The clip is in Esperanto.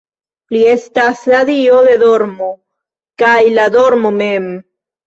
Li estas la dio de dormo kaj la dormo mem.